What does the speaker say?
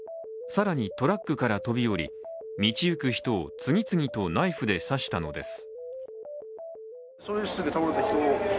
さらにトラックから飛び降り、道行く人を次々とナイフで刺したのです。